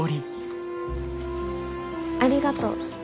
ありがとう。